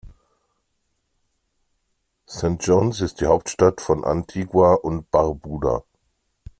St. John’s ist die Hauptstadt von Antigua und Barbuda.